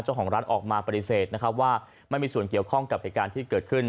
เจ้าของร้านออกมาปฏิเสธนะครับว่าไม่มีส่วนเกี่ยวข้องกับเหตุการณ์ที่เกิดขึ้น